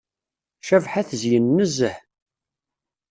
Cabḥa tezyen nezzeh.